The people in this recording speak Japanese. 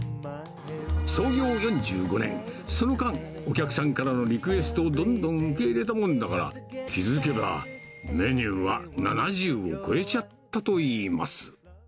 創業４５年、その間、お客さんからのリクエストをどんどん受け入れたもんだから、気付けば、メニューは７０を超えちゃったといいます。